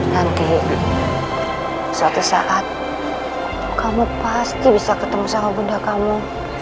nanti suatu saat kamu pasti bisa ketemu sama bunda kamu